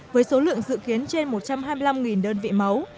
với số lượng dự kiến trên một trăm hai mươi năm đơn vị máu